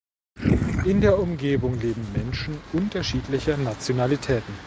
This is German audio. In der Umgebung lebten Menschen unterschiedlicher Nationalitäten.